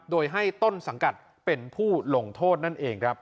โดยให้ต้นสังกัดเป็นผู้ลงโทษนั่นเองครับ